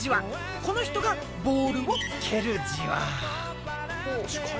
この人がボールを蹴るじわ。